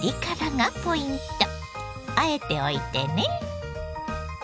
あえておいてね。